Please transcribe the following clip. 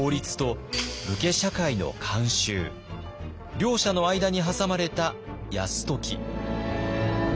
両者の間に挟まれた泰時。